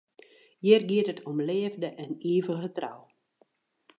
Hjir giet it om leafde en ivige trou.